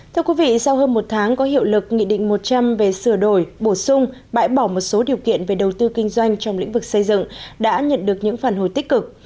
thưa quý vị sau hơn một tháng có hiệu lực nghị định một trăm linh về sửa đổi bổ sung bãi bỏ một số điều kiện về đầu tư kinh doanh trong lĩnh vực xây dựng đã nhận được những phản hồi tích cực